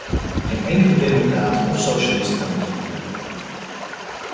Geen enkele democraat of socialist kan dit goedkeuren.